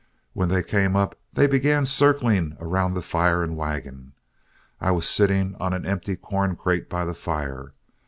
When they came up, they began circling around the fire and wagon. I was sitting on an empty corn crate by the fire.